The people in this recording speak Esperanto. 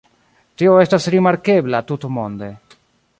Tio estas rimarkebla tutmonde.